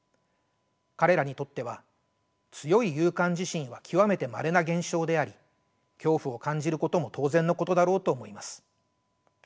彼らにとっては強い有感地震は極めてまれな現象であり恐怖を感じることも当然のことだろうと思います。